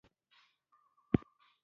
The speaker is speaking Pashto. د پیرانو زور و که د پیریانو.